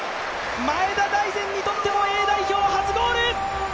前田大然にとってもＡ代表初ゴール。